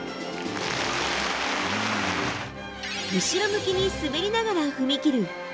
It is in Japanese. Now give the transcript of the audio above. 後ろ向きに滑りながら踏み切る